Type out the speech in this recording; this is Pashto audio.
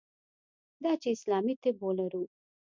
دا چې اسلامي طب ولرو.